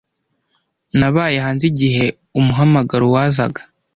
Nabaye hanze igihe umuhamagaro wazaga.